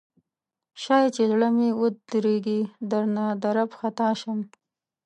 شاید چې زړه مې ودریږي درنه درب خطا شم